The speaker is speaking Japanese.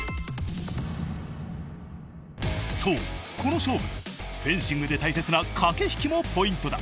そうこの勝負フェンシングで大切な駆け引きもポイントだ。